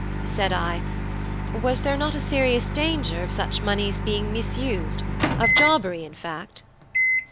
Said I: "Was there not a serious danger of such moneys being misused of jobbery, in fact?"